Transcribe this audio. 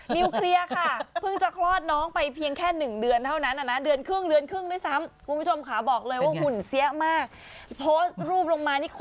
บอกให้พอแล้วก็ไม่พอ